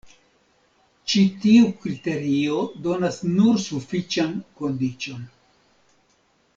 Ĉi tiu kriterio donas nur sufiĉan kondiĉon.